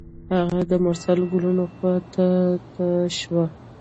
هغه د مرسل ګلونو خوا ته تاوه شوه.